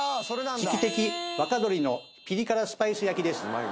チキテキ若鶏のピリ辛スパイス焼きです。